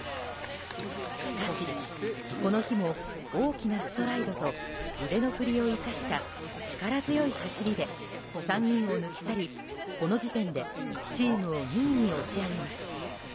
しかし、この日も大きなストライドと腕の振りを生かした力強い走りで３人を抜き去りこの時点でチームを２位に押し上げます。